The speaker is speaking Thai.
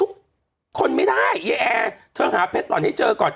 คนไม่ได้เย้แอร์เธอหาเพชรหล่อนให้เจอก่อน